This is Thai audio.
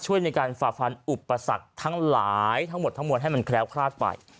ช่วยในการฝาพรรดิอุปสรรคทั้งหลายทั้งหมดทั้งหมวนให้มันแขวบคราศไป